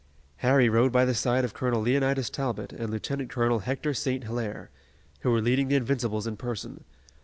Harry rode by the side of Colonel Leonidas Talbot and Lieutenant Colonel Hector St. Hilaire, who were leading the Invincibles in person.